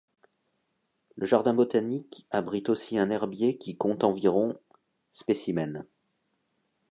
Le jardin botanique abrite aussi un herbier qui compte environ spécimens.